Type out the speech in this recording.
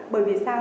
bởi vì sao